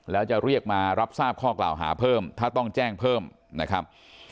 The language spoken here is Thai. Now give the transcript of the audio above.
แล้วจะเรียกมารับทราบข้อกล่าวหาเพิ่มถ้าต้องแจ้งเพิ่มนะครับ